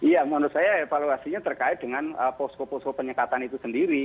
ya menurut saya evaluasinya terkait dengan posko posko penyekatan itu sendiri